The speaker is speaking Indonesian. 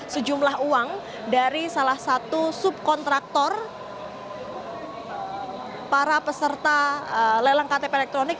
sejumlah uang dari salah satu subkontraktor para peserta lelang ktp elektronik